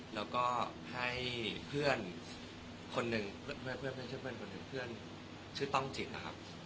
แล้วก็ให้เพื่อนคนหนึ่งเพื่อนชื่อต้องจิตนะครับ